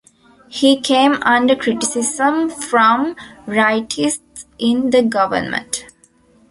He came under criticism from rightists in the government.